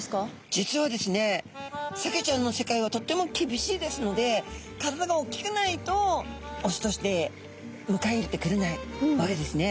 実はですねサケちゃんの世界はとっても厳しいですので体がおっきくないとオスとしてむかえ入れてくれないわけですね。